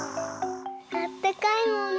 あったかいもんね。